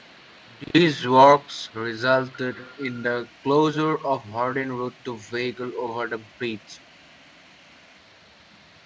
These works resulted in the closure of Harden Road to vehicles over the bridge.